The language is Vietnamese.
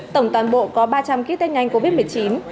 tổng toàn bộ có ba trăm linh kít tét nhanh covid một mươi chín